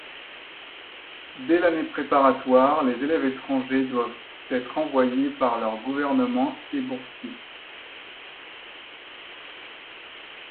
Dès l’année préparatoire, les élèves étrangers doivent être envoyés par leur gouvernement et boursiers.